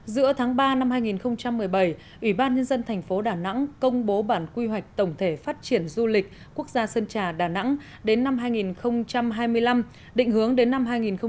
giữa tháng ba năm hai nghìn một mươi bảy ủy ban nhân dân thành phố đà nẵng công bố bản quy hoạch tổng thể phát triển du lịch quốc gia sơn trà đà nẵng đến năm hai nghìn hai mươi năm định hướng đến năm hai nghìn ba mươi